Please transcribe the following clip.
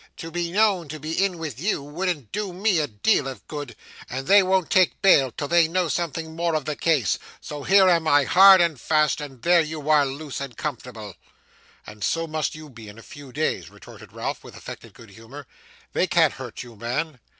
'To be known to be in with you wouldn't do me a deal of good, and they won't take bail till they know something more of the case, so here am I hard and fast: and there are you, loose and comfortable.' 'And so must you be in a few days,' retorted Ralph, with affected good humour. 'They can't hurt you, man.